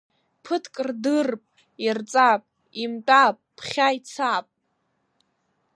Ԥыҭк рдырп, ирҵап, имтәап, ԥхьа ицап.